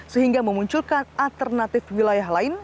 sehingga memunculkan alternatif wilayah lain